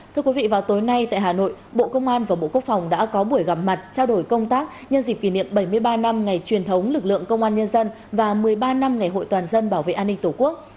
thưa quý vị vào tối nay tại hà nội bộ công an và bộ quốc phòng đã có buổi gặp mặt trao đổi công tác nhân dịp kỷ niệm bảy mươi ba năm ngày truyền thống lực lượng công an nhân dân và một mươi ba năm ngày hội toàn dân bảo vệ an ninh tổ quốc